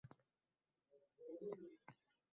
Ayol kishi asosiy vaqtini uyda o‘tkazadi.